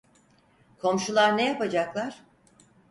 Komşular ne yapacaklar!